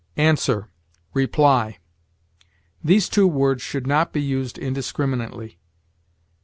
ANSWER REPLY. These two words should not be used indiscriminately.